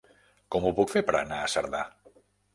Com ho puc fer per anar a Cerdà?